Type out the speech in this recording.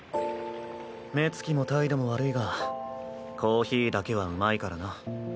目つきも態度も悪いがコーヒーだけはうまいからな。